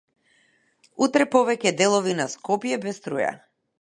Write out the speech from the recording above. Утре повеќе делови на Скопје без струја